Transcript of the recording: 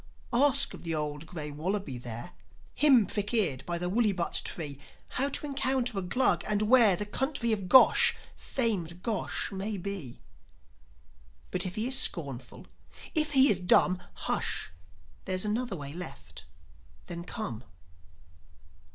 Ask of the old grey wallaby there Him prick eared by the woollybutt tree How to encounter a Glug, and where The country of Gosh, famed Gosh may be. But, if he is scornful, if he is dumb, Hush! There's another way left. Then come.